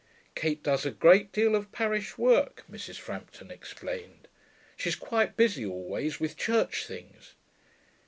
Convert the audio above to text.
'Kate does a great deal of parish work,' Mrs. Frampton explained. 'She's quite busy always, with church things.'